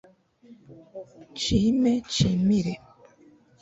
nshime nshimire